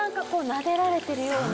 なでられてるような。